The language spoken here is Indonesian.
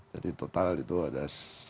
jadi total itu ada satu ratus lima puluh lima